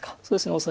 そうですね